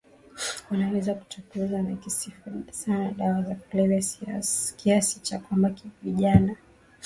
wanaweza kutukuza na kusifu sana dawa za kulevya kiasi cha kwamba vijana